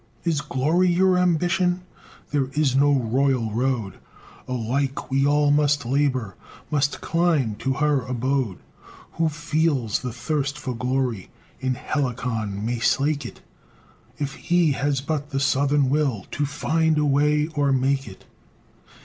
Is GLORY your ambition? There is no royal road; Alike we all must labor, Must climb to her abode; Who feels the thirst for glory, In Helicon may slake it, If he has but the "SOUTHERN WILL," "TO FIND A WAY, OR MAKE IT!"